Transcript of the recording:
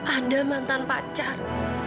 ada mantan pacar